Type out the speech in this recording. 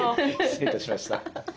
失礼いたしました。